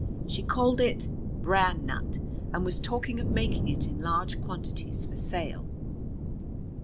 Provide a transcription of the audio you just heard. She called it "Bran Nut," and was talking of making it in large quantities for sale.